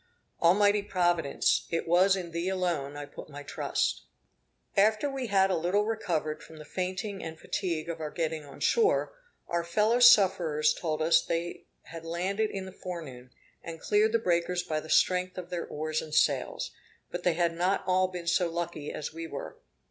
Almighty Providence! it was in Thee alone I put my trust. After we had a little recovered from the fainting and fatigue of our getting on shore, our fellow sufferers told us they had landed in the forenoon, and cleared the breakers by the strength of their oars and sails; but they had not all been so lucky as we were.